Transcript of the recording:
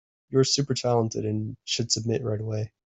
You are super talented and should submit right away.